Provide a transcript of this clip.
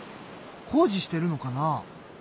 工事してるのかな？